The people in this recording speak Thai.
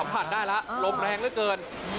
ผ่านได้แล้วลมแรงเหลือเกิน